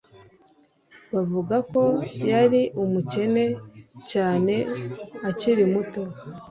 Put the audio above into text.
bavuga ko yari umukene cyane akiri muto